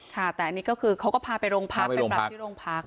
ค่ะแต่อันนี้ก็คือเขาก็พาไปโรงพักไปปรับที่โรงพัก